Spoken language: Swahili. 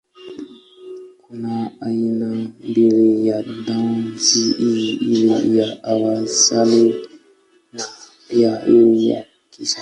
Kuna aina mbili ya dansi hii, ile ya awali na ya hii ya kisasa.